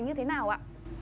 như thế nào ạ